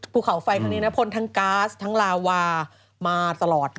ภูเขาไฟทางนี้นะพลทั้งกาสทั้งลาวามาตลอด